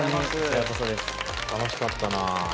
楽しかったなあ。